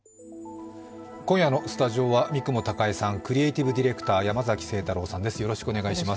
今夜のスタジオは、三雲孝江さん、クリエーティブディレクター、山崎晴太郎さんです。